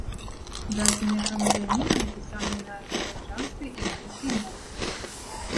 Дадзеныя грамадзяніна напісаныя на азербайджанскай і англійскай мовах.